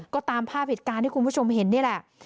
ก็ตามภาพเหตุการณ์ที่คุณผู้ชมเห็นนี่แหละ